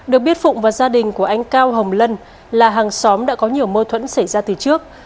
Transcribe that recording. được biết phụng và gia đình của anh cao hồng lân là hàng xóm đã có nhiều mâu thuẫn xảy ra từ trước